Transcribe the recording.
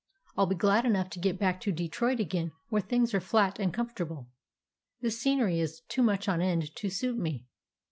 I 'll be glad enough to get back to Detroit again where things are flat and comfortable. This California scenery is too much on end to suit me."